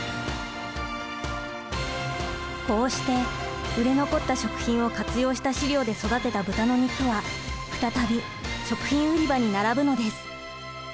こうして売れ残った食品を活用した飼料で育てた豚の肉は再び食品売り場に並ぶのです。